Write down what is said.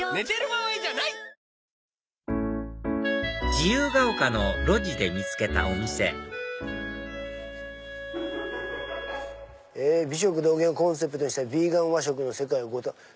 自由が丘の路地で見つけたお店「美食同源をコンセプトにしたヴィーガン和食の世界」。